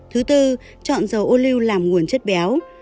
thứ tư chọn dầu ô lưu làm nguồn chất béo